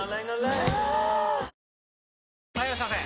ぷはーっ・はいいらっしゃいませ！